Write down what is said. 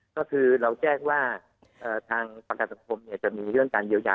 ก็คือเราแจ้งว่าทางประกันสังคมจะมีเรื่องการเยียวยา